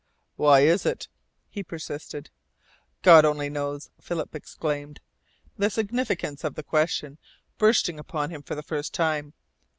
"Why is it?" he persisted. "God only knows," exclaimed Philip, the significance of the question bursting upon him for the first time.